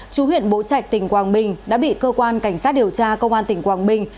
chú huyện bố trạch tỉnh quảng bình đã bị cơ quan cảnh sát điều tra công an tỉnh quảng bình